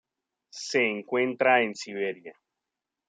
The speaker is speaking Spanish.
Se encuentra en Siberia.